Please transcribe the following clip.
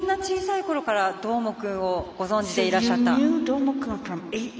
そんな小さいころからどーもくんをご存じでいらっしゃった。